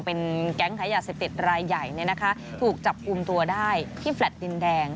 เป็นแก๊งค้ายาเสพติดรายใหญ่ถูกจับกลุ่มตัวได้ที่แฟลต์ดินแดง